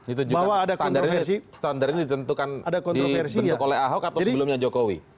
itu juga standar ini ditentukan dibentuk oleh ahok atau sebelumnya jokowi